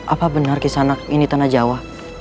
apa benar kisah ini tanah jawa